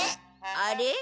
あれ？